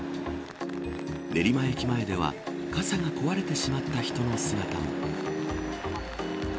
練馬駅前では傘が壊れてしまった人の姿も。